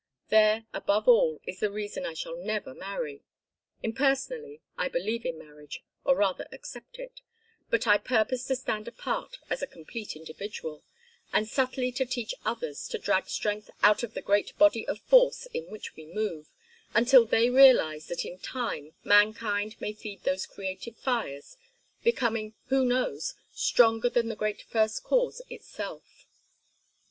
There, above all, is the reason I shall never marry. Impersonally, I believe in marriage, or rather accept it, but I purpose to stand apart as a complete individual, and subtly to teach others to drag strength out of the great body of force in which we move, until they realize that in time mankind may feed those creative fires, becoming, who knows, stronger than the great first cause itself."